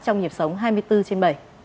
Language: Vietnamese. trong nhịp sống hai mươi bốn trên bảy